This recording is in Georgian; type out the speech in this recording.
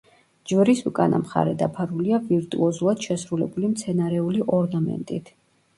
ჯვრის უკანა მხარე დაფარულია ვირტუოზულად შესრულებული მცენარეული ორნამენტით.